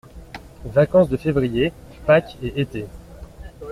Vacances de février, Pâques et été.